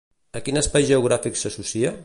A quin espai geogràfic s'associa?